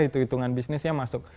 hitung hitungan bisnisnya masuk